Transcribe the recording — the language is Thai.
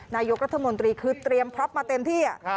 นายกรัฐมนตรีคือเตรียมพร้อมมาเต็มที่